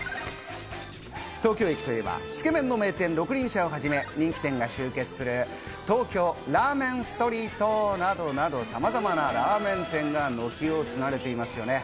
東京駅といえば、つけ麺の名店・六厘舎をはじめ人気店が集結する東京ラーメンストリートなど、さまざまなラーメン店が軒を連ねていますね。